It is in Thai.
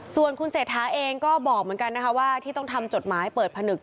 ส่วนคุณเศรษฐาเองก็บอกเหมือนกันนะคะว่าที่ต้องทำจดหมายเปิดผนึก